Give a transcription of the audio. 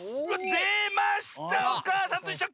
でました「おかあさんといっしょ」。